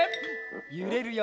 ゆれるよ。